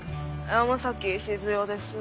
山崎静代です。